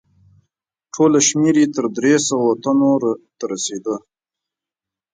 ټوله شمیر یې تر درې سوه تنو ته رسیده.